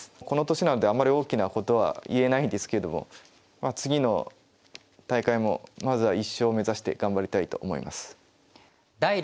この年なのであまり大きなことは言えないんですけれども次の大会もまずは１勝を目指して頑張りたいと思います。